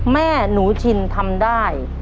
แม่หนูชินทำได้